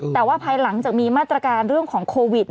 แต่ว่าภายหลังจากมีมาตรการเรื่องของโควิด